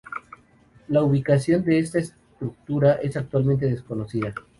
La ubicación de esta estructura es actualmente desconocida.